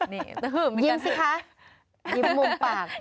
นี่ตะหึ่มเหมือนกันยิ้มสิคะยิ้มมุมปาก